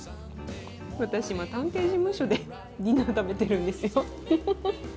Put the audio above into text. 私今探偵事務所でディナー食べてるんですよ。